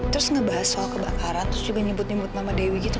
terus ngebahas soal kebakaran terus juga nyebut nyebut nama dewi gitu